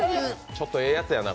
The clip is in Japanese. ちょっとええやつやな